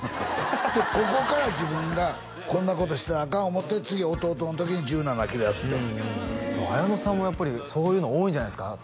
でここから自分がこんなことしてたらアカン思うて次「おとうと」の時に１７キロ痩せて綾野さんもやっぱりそういうの多いんじゃないですか？